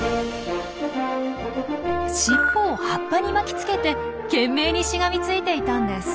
尻尾を葉っぱに巻きつけて懸命にしがみついていたんです。